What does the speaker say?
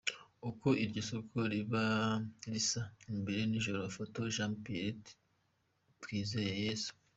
Uko iryo soko riba risa imbere nijoro: Photos: Jean Pierre Twizeyeyezu.